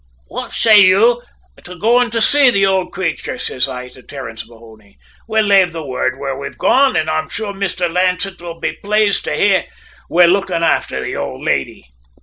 "`What say you to goin' to say the poor crayture?' says I to Terence Mahony. `We'll lave word where we're gone, an' I'm sure Mr Lancett will be plaised to hear we're looking afther the ould lady!'